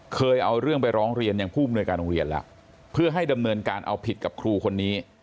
เคยเอาเรื่องไปร้องเรียนยังผู้อำนวยการโรงเรียนแล้วเพื่อให้ดำเนินการเอาผิดกับครูคนนี้